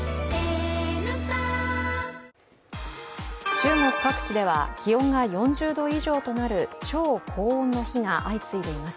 中国各地では気温が４０度以上となる超高温の日が相次いでいます。